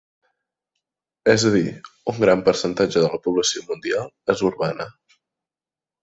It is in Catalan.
És a dir, un gran percentatge de la població mundial és urbana.